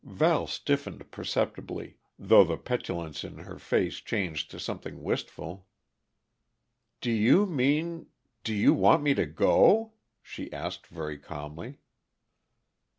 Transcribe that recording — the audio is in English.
Val stiffened perceptibly, though the petulance in her face changed to something wistful. "Do you mean do you want me to go?" she asked very calmly.